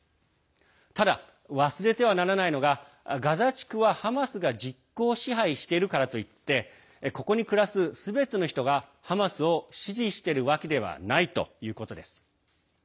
ただ、忘れてはならないのがガザ地区は、ハマスが実効支配しているからといってここに暮らす、すべての人がハマスを支持しているわけではないということです。